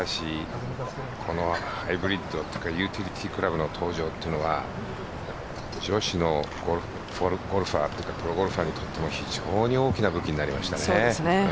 このハイブリッドとかユーティリティークラブの登場というのは女子のプロゴルファーにとっても非常に大きな武器になりましたね。